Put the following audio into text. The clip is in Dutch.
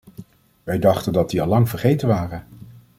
Wij dachten dat die allang vergeten waren.